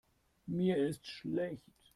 Mir ist schlecht.